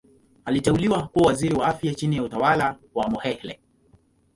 Aliteuliwa kuwa Waziri wa Afya chini ya utawala wa Mokhehle.